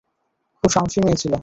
খুব সাহসী মেয়ে ছিল।